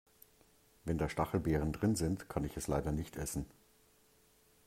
Wenn da Stachelbeeren drin sind, kann ich es leider nicht essen.